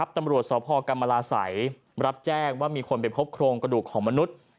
ตำรวจสพกรรมราศัยรับแจ้งว่ามีคนไปพบโครงกระดูกของมนุษย์